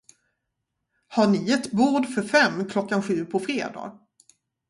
Har ni ett bord för fem klockan sju på fredag?